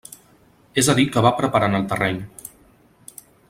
És a dir que va preparant el terreny.